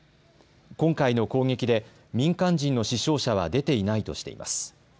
今回の攻撃で民間人の死傷者は出ていないとしています。